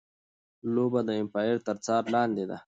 لوبه د ایمپایر تر څار لاندي ده.